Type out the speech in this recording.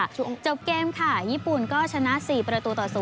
จบเกมค่ะญี่ปุ่นก็ชนะ๔ประตูต่อ๐